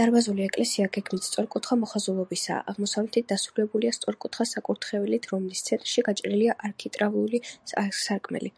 დარბაზული ეკლესია გეგმით სწორკუთხა მოხაზულობისაა, აღმოსავლეთით დასრულებულია სწორკუთხა საკურთხევლით, რომლის ცენტრში გაჭრილია არქიტრავული სარკმელი.